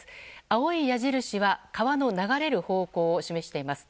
青い矢印は川の流れる方向を示しています。